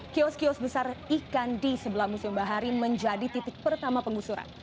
kios kios besar ikan di sebelah museum bahari menjadi titik pertama penggusuran